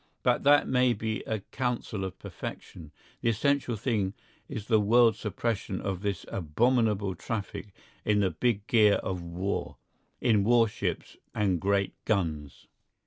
But that may be a counsel of perfection. The essential thing is the world suppression of this abominable traffic in the big gear of war, in warships and great guns.